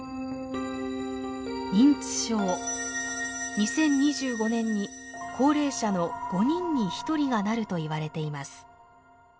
２０２５年に高齢者の５人に１人がなるといわれています。